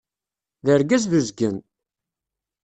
D argaz d uzgen!